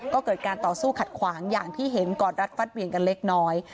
ก็เกิดการต่อสู้ขัดขวางอย่างที่เห็นกอดรัดฟัดเหวี่ยงกันเล็กน้อย